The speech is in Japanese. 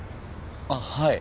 あっはい。